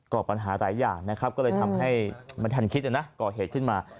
ก็ปัญหาหลายอย่างนะครับก็เลยทำให้มันทันคิดนะก่อเหตุขึ้นมา